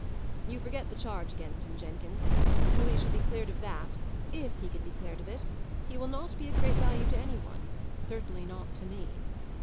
"You forget the charge against him, Jenkins. Until he shall be cleared of that if he can be cleared of it he will not be of great value to any one; certainly not to me."